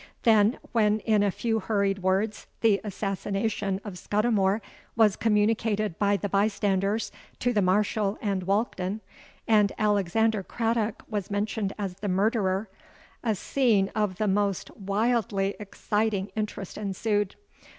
Then, when in a few hurried words, the assassination of Scudimore was communicated by the bye standers to the Marshal and Walkden, and Alexander Craddock was mentioned as the murderer, a scene of the most wildly exciting interest ensued.